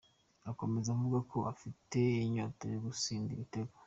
Akomeza avuga ko afite inyota yo gutsinda ibitego.